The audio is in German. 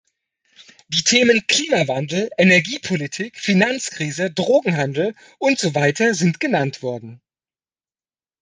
Die Themen Klimawandel, Energiepolitik, Finanzkrise, Drogenhandel und so weiter sind genannt worden.